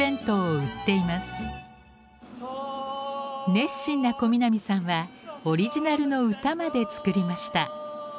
熱心な小南さんはオリジナルの歌まで作りました。